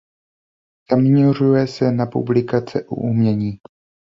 Zaměřuje se na publikace o umění.